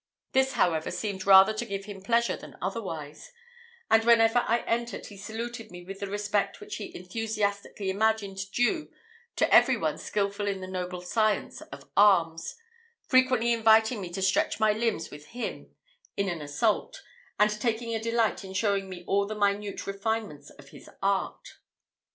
This, however, seemed rather to give him pleasure than otherwise; and whenever I entered he saluted me with the respect which he enthusiastically imagined due to every one skilful in the noble science of arms, frequently inviting me to stretch my limbs with him in an assault, and taking a delight in showing me all the minute refinements of his art.